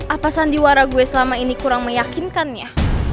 apa sandiwara gue selama ini kurang meyakinkannya